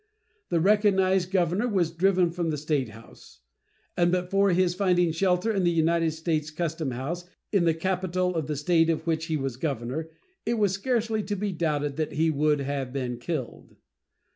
The recognized governor was driven from the statehouse, and but for his finding shelter in the United States custom house, in the capital of the State of which he was governor, it is scarcely to be doubted that he would have been killed.